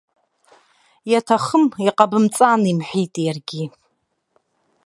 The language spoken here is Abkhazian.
Иаҭахым, иҟабымҵан имҳәеит иаргьы.